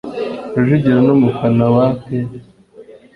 rujugiro numufana wa aperi